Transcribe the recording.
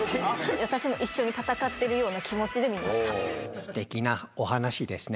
私も一緒に戦ってるような気すてきなお話ですね。